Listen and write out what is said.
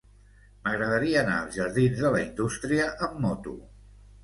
M'agradaria anar als jardins de la Indústria amb moto.